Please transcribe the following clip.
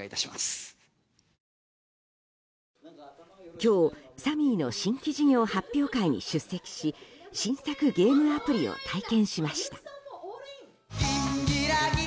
今日、サミーの新規事業発表会に出席し新作ゲームアプリを体験しました。